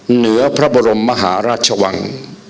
เหนือพระบรมมหาราชวัง